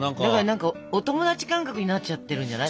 お友達感覚になっちゃってるんじゃない？